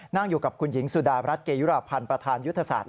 นั่งอยู่กับคุณหญิงสุดารัฐเกยุราพันธ์ประธานยุทธศาสต